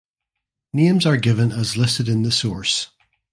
Names are given as listed in the source.